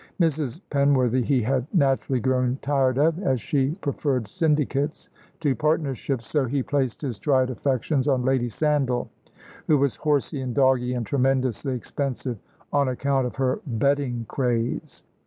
Mrs. Penworthy he had naturally grown tired of, as she preferred syndicates to partnerships, so he placed his tried affections on Lady Sandal, who was horsey and doggy and tremendously expensive on account of her betting craze.